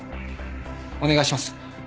お願いします。